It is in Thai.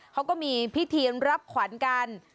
เขาก็มีพิธีรับขวัญกัน